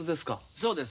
そうです。